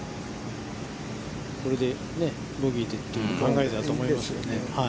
これでボギーでという考えだと思いますね。